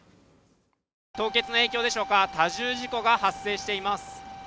凍結の影響でしょうか多重事故が発生しています